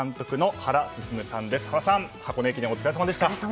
原さん、箱根駅伝お疲れさまでした。